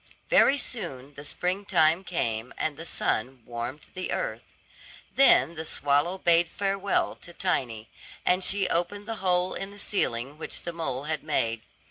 Very soon the spring time came, and the sun warmed the earth. Then the swallow bade farewell to Tiny, and she opened the hole in the ceiling which the mole had made.